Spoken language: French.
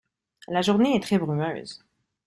La journée est très brumeuse.